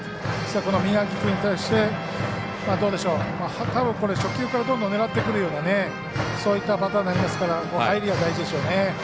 三垣君に対してどうでしょう初球からどんどん狙ってくるようなそういったパターンになりますから入りは大事でしょうね。